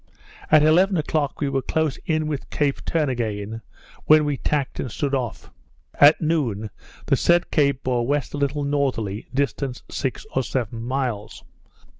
At eleven o'clock we were close in with Cape Turnagain, when we tacked and stood off; at noon the said Cape bore west a little northerly, distant six or seven miles.